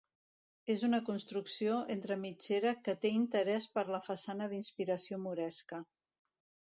És una construcció entre mitgera que té interès per la façana d'inspiració moresca.